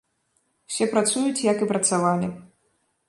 Усе працуюць, як і працавалі.